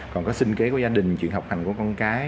còn có sinh kế của gia đình chuyện học hành của con cái